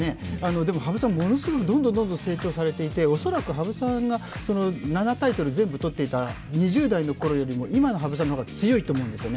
でも羽生さん、ものすごくどんどんどんどん成長されていて、恐らく羽生さんが７タイトル全部取っていた２０代のころよりも今の羽生さんの方が強いと思うんですよね。